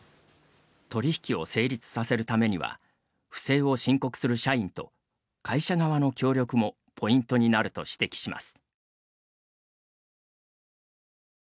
取引を成立させるためには不正を申告する社員と会社側の協力もポイントになると指摘します。